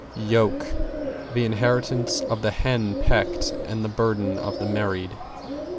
=YOKE= The inheritance of the hen pecked and the burden of the married.